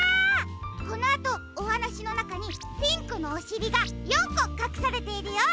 このあとおはなしのなかにピンクのおしりが４こかくされているよ。